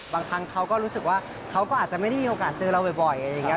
บางครั้งเขาก็รู้สึกว่าเขาก็อาจจะไม่ได้มีโอกาสเจอเราบ่อยอะไรอย่างนี้